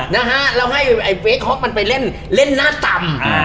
นะฮะแล้วให้เวคฮอสไปเล่นน่าตำ